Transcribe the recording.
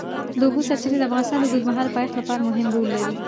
د اوبو سرچینې د افغانستان د اوږدمهاله پایښت لپاره مهم رول لري.